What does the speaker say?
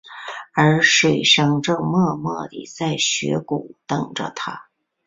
而水笙正默默地在雪谷等着他。